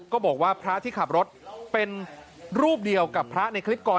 บอกว่าพระที่ขับรถเป็นรูปเดียวกับพระในคลิปก่อน